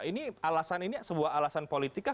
ini alasan ini sebuah alasan politik kah